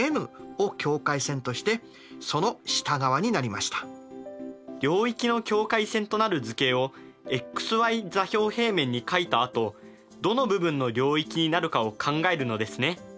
また領域の境界線となる図形をｘｙ座標平面に書いたあとどの部分の領域になるかを考えるのですね。